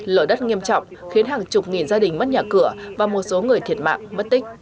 lở đất nghiêm trọng khiến hàng chục nghìn gia đình mất nhà cửa và một số người thiệt mạng mất tích